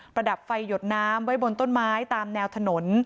ระดับไฟหยดน้ำไว้บนต้นไม้ตามแนวถนน